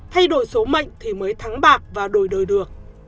thay đổi số mạnh thì mới thắng bạc và đổi đời được